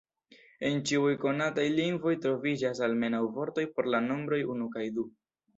En ĉiuj konataj lingvoj troviĝas almenaŭ vortoj por la nombroj unu kaj du.